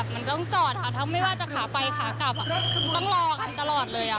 ถ้าไม่ว่าจะขาไปขากลับต้องรอกันตลอดเลยค่ะ